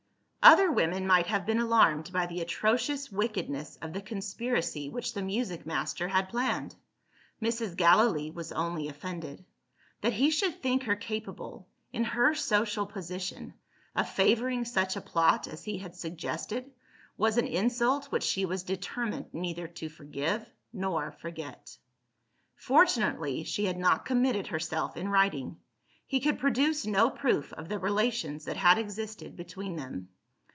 Other women might have been alarmed by the atrocious wickedness of the conspiracy which the music master had planned. Mrs. Gallilee was only offended. That he should think her capable in her social position of favouring such a plot as he had suggested, was an insult which she was determined neither to forgive nor forget. Fortunately, she had not committed herself in writing; he could produce no proof of the relations that had existed between them.